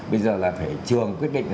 bây giờ là phải trường quyết định